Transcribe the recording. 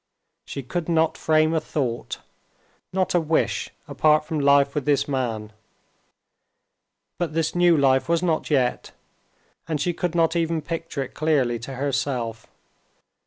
She could not frame a thought, not a wish apart from life with this man; but this new life was not yet, and she could not even picture it clearly to herself.